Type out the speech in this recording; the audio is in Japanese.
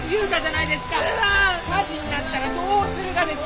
火事になったらどうするがですか！？